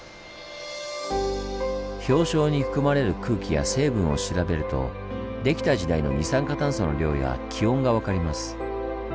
氷床に含まれる空気や成分を調べるとできた時代の二酸化炭素の量や気温が分かります。